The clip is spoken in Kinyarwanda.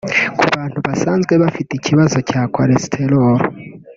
Ku bantu basanzwe bafite kibazo cya cholesterol